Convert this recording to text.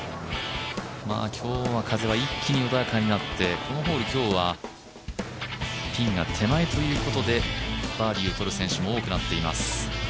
今日は風は一気に穏やかになってこのホール、今日はピンが手前ということでバーディーを取る選手も多くなっています。